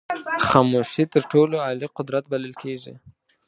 خاموشي تر ټولو عالي قدرت بلل کېږي.